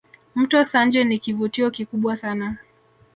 Mto Sanje ni kivutio kikubwa sana